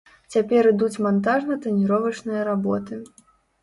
Цяпер ідуць мантажна-таніровачныя работы.